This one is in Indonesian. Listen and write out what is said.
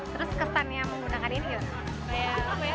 terus kesannya menggunakan ini yuk